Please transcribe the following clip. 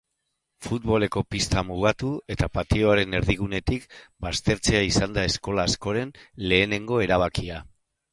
Futboleko pista mugatu eta patioaren erdigunetik baztertzea izan da eskola askoren lehenengo erabakia.